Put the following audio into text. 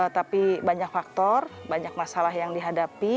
tapi banyak faktor banyak masalah yang dihadapi